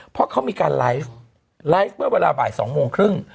เพราะเขามีการไลฟ์ไลฟ์เมื่อเวลาบ่าย๒โมงครึ่ง